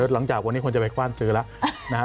หลังจากวันนี้ควรจะไปกว้านซื้อแล้ว